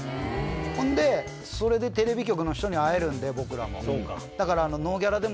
ほんでそれでテレビ局の人に会えるんで僕らも。